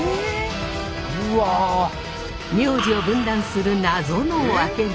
名字を分断する謎のワケメ。